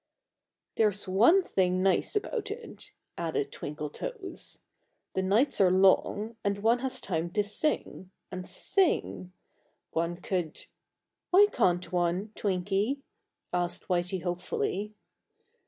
"There's one nice thing about it," added Twinkletoes: "the nights are long, and one has time to sing and sing! One could " "Why can't one, Twinky?" asked Whitey hopefully.